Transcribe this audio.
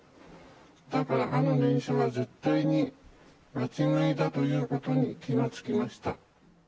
だからあの念書は絶対に間違いだということに気が付きました。